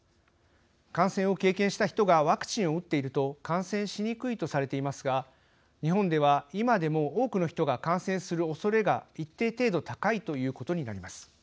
感染を経験した人がワクチンを打っていると感染しにくいとされていますが日本では今でも多くの人が感染するおそれが一定程度高いということになります。